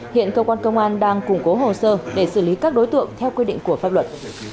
hiện cơ quan công an đang củng cố hồ sơ để xử lý các đối tượng theo quy định của pháp luật